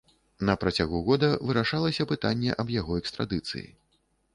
На працягу года вырашалася пытанне аб яго экстрадыцыі.